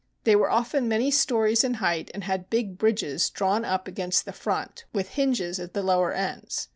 They were often many stories in height, and had big bridges drawn up against the front with hinges at the lower ends.